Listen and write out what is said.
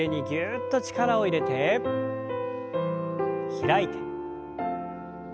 開いて。